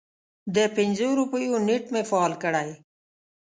د پنځو روپیو نیټ مې فعال کړی